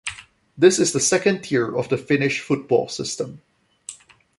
This is the second tier of the Finnish football system.